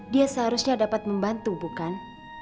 dia seharusnya dapat membantu bukan